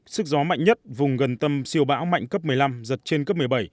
sức gió mạnh nhất vùng gần tâm siêu bão mạnh cấp một mươi năm giật trên cấp một mươi bảy